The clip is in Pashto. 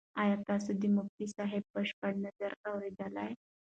ایا تاسو د مفتي صاحب بشپړ نظر اورېدلی دی؟